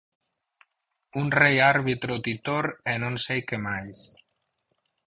Un rei árbitro titor e non sei que máis.